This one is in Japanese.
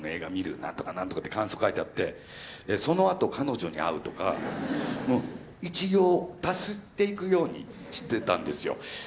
何とか何とかって感想書いてあって「そのあと彼女に会う」とか１行足していくようにしてたんですよ。